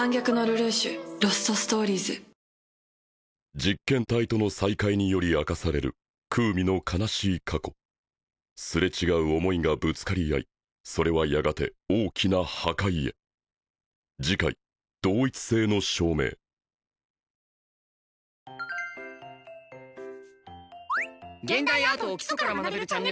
実験体との再会により明かされるクウミの悲しい過去すれ違う思いがぶつかり合いそれはやがて大きな破壊へ「現代アートを基礎から学べるチャンネル」